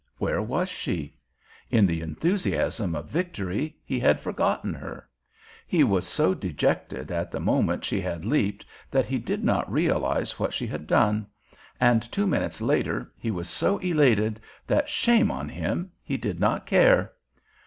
Where was she? In the enthusiasm of victory he had forgotten her. He was so dejected at the moment she had leaped that he did not realize what she had done, and two minutes later he was so elated that, shame on him! he did not care.